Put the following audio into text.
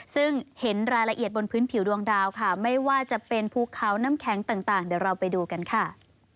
ซึ่งเห็นรายละเอียดบนพื้นผิวดวงดาวค่ะไม่ว่าจะเป็นภูเขาน้ำแข็งต่างเดี๋ยวเราไปดูกันค่ะ